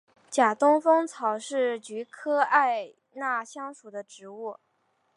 假东风草是菊科艾纳香属的植物。